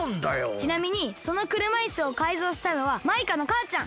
ちなみにそのくるまいすをかいぞうしたのはマイカのかあちゃん。